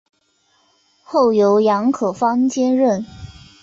后由杨可芳接任。